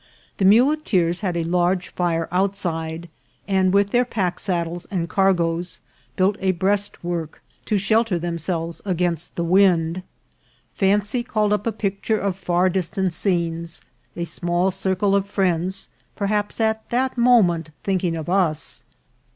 The muleteers had a large fire outside, and with their pack saddles and cargoes built a breastwork to shelter them selves against the wind. Fancy called up a picture of far distant scenes : a small circle of friends, perhaps at that moment thinking of us.